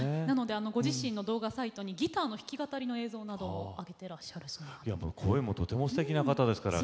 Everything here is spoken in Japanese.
なのでご自身の動画サイトにギターの弾き語りの映像など上げてらっしゃるそうです。